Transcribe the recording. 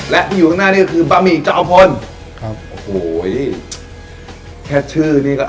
และที่อยู่ข้างหน้านี้ก็คือบะหมี่เจ้าพลครับโอ้โหแค่ชื่อนี้ก็